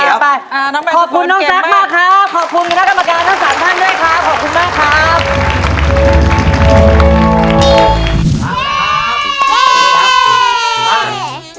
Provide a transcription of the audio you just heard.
เย้